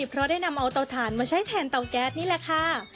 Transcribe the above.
เพราะได้นำเอาเตาถ่านมาใช้แทนเตาแก๊สนี่แหละค่ะ